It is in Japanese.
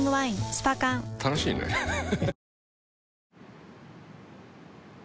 スパ缶楽しいねハハハ